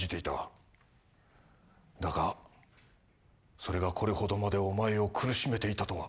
だがそれがこれほどまでお前を苦しめていたとは。